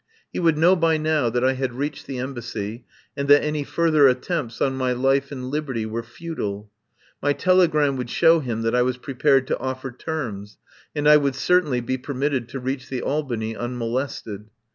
He would know by now that I had reached the Embassy, and that any further attempts on my life and liberty were futile. My telegram would show him that I was prepared to offer terms, and I would certainly be permitted to reach the Albany unmolested.